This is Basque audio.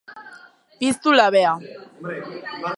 Piztu labea.